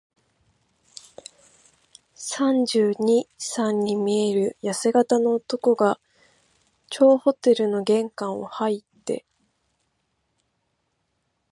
三十二、三に見えるやせ型の男が、張ホテルの玄関をはいって、